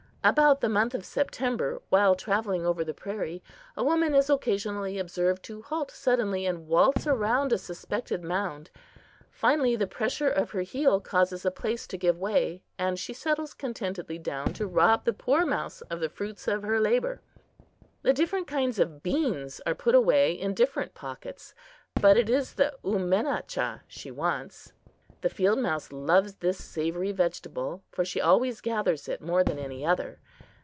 About the month of September, while traveling over the prairie, a woman is occasionally observed to halt suddenly and waltz around a suspected mound. Finally the pressure of her heel causes a place to give way, and she settles contentedly down to rob the poor mouse of the fruits of her labor. The different kinds of beans are put away in different pockets, but it is the oomenechah she wants. The field mouse loves this savory vegetable, for she always gathers it more than any other.